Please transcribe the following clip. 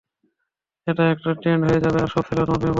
এটা একটা ট্রেন্ড হয়ে যাবে আর সব ছেলেরা তোমার প্রেমে পড়বে।